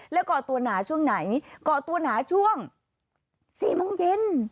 แล้วก่อตัวหนาช่วงไหนก่อตัวหนาช่วง๔โมงเย็น